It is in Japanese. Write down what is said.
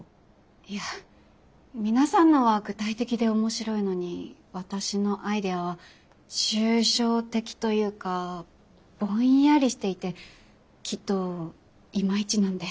いや皆さんのは具体的で面白いのに私のアイデアは抽象的というかぼんやりしていてきっとイマイチなんで。